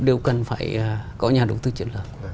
đều cần phải có nhà đầu tư chiến lược